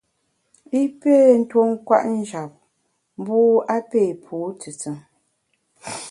I pé tuo kwet njap, mbu a pé pu tùtùn.